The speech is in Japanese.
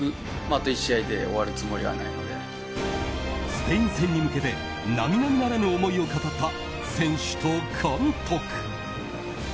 スペイン戦に向けて並々ならぬ思いを語った選手と監督。